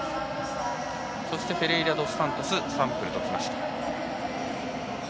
そしてフェレイラドスサントスサンプルときました。